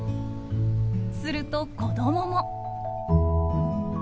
すると子どもも。